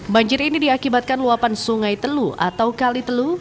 banjir ini diakibatkan luapan sungai telu atau kali telu